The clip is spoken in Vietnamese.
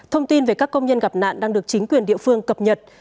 thông tin về các công nhân gặp nạn đang được chính quyền địa phương cập nhật